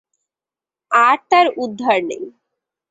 আর তার উদ্ধার নেই।